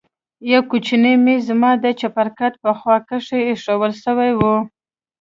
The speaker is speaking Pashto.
يو کوچنى ميز زما د چپرکټ په خوا کښې ايښوول سوى و.